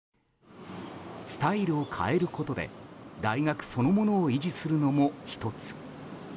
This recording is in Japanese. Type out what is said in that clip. スタイルを変えることで大学そのものを維持するのも１つ。